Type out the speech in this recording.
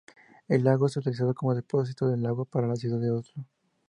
El lago es utilizado como depósito de agua para la ciudad de Oslo.